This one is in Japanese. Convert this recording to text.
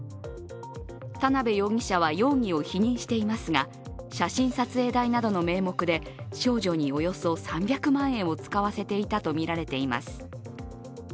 田辺容疑者は容疑を否認していますが写真撮影代などの名目で少女におよそ３００万円を使わせていたとみられています。